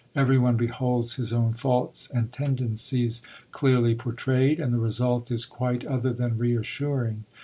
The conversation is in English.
Everyone beholds his own faults and tendencies clearly portrayed, and the result is quite other than reassuring.